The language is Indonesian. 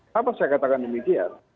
kenapa saya katakan demikian